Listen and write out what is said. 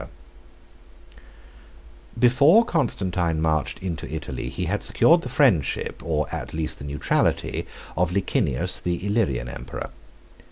] Before Constantine marched into Italy, he had secured the friendship, or at least the neutrality, of Licinius, the Illyrian emperor.